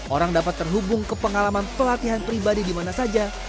orang dapat terhubung ke pengalaman pelatihan pribadi di mana saja